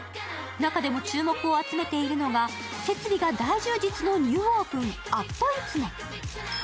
中でも注目を集めているのが、設備が大充実のニューオープン、＠ＩＴＳＵＭＯ。